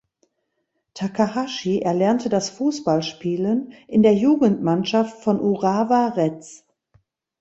Takahashi erlernte das Fußballspielen in der Jugendmannschaft von Urawa Reds.